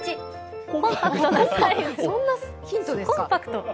そんなヒントですか。